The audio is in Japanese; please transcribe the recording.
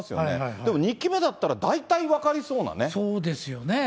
でも２期目だったら、大体分かりそうですよね。